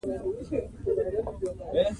افغانستان کې هوا د نن او راتلونکي لپاره ارزښت لري.